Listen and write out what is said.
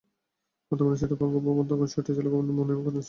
বর্তমানে যেটা বঙ্গভবন, তখন সেটাই ছিল গভর্নর মোনায়েম খানের সরকারি বাসভবন।